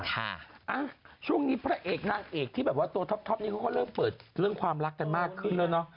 ช่วงนี้พระเอกนางเอกที่แบบว่าตัวท็อปนี้เขาก็เริ่มเปิดเรื่องความรักกันมากขึ้นแล้วเนอะ